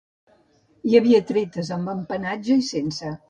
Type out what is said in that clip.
Hi havia tretes amb empenatge i sense.